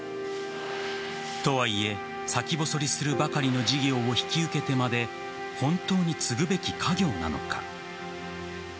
とはいえ先細りするばかりの事業を引き受けてまで本当に継ぐべき家業なのか。